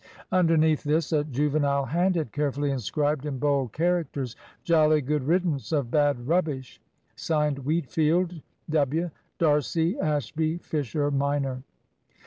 Underneath this, a juvenile hand had carefully inscribed in bold characters "Jolly good riddance of bad rubbish." Signed, "Wheatfield, W., D'Arcy, Ashby, Fisher minor."